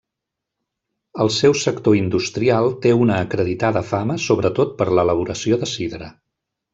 El seu sector industrial té una acreditada fama sobretot per l'elaboració de sidra.